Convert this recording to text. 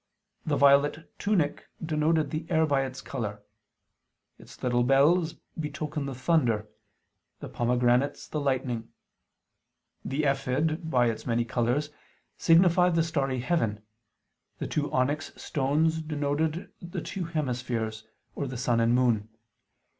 The violet tunic denoted the air by its color: its little bells betoken the thunder; the pomegranates, the lightning. The ephod, by its many colors, signified the starry heaven; the two onyx stones denoted the two hemispheres, or the sun and moon.